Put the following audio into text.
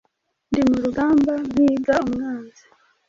Ndi murugamba mpiga umwanzi